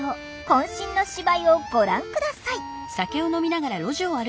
こん身の芝居をご覧下さい。